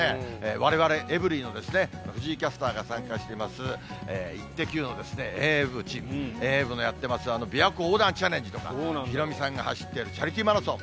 われわれ、エブリィの藤井キャスターが参加しています、イッテＱ！の遠泳、びわ湖横断チャレンジとか、ヒロミさんが走っているチャリティーマラソン。